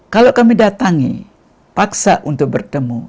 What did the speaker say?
jika kami datang kita terpaksa bertemu